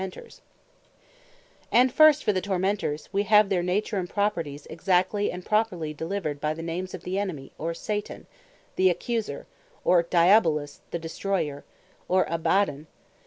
Satan, Devill, Not Proper Names, But Appellatives And first for the Tormenters, wee have their nature, and properties, exactly and properly delivered by the names of, The Enemy, or Satan; The Accuser, or Diabolus; The Destroyer, or Abbadon.